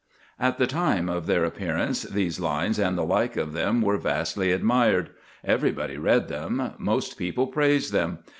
At the time of their appearance these lines and the like of them were vastly admired; everybody read them, most people praised them.